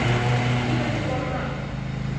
কী হয়েছে বলো না?